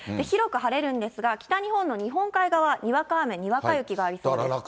広く晴れるんですが、北日本の日本海側、にわか雨、にわか雪がありそうです。